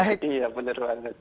iya bener banget